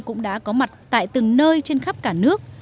cũng đã có mặt tại từng nơi trên khắp cả nước